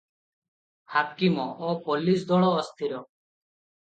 ହାକିମ ଓ ପୋଲିସ ଦଳ ଅସ୍ଥିର ।